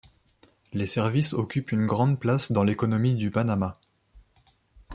Les services occupent une grande place dans l’économie du Panama.